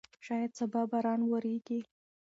شاید سبا باران وورېږي.